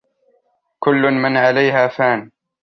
كُلُّ مَنْ عَلَيْهَا فَانٍ